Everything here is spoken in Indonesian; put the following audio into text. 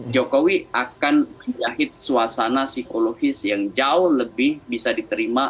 jokowi akan menjahit suasana psikologis yang jauh lebih bisa diterima